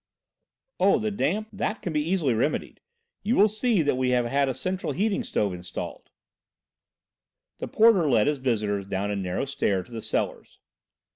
"Oh, the damp? That can be easily remedied. You will see that we have a central heating stove installed." The porter led his visitors down a narrow stair to the cellars.